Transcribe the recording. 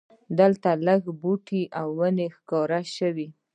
دلته لږ لرې بوټي او ونې ښکاره شوې.